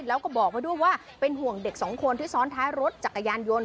แล้วก็บอกไว้ด้วยว่าเป็นห่วงเด็กสองคนที่ซ้อนท้ายรถจักรยานยนต์